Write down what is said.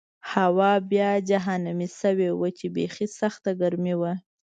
هوا بیا جهنمي شوې وه چې بېخي سخته ګرمي وه.